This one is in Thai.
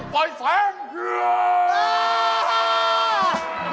ต้องก็ปล่อยเฟ้ง